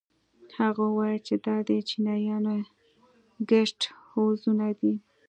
هغه وويل چې دا د چينايانو ګسټ هوزونه دي.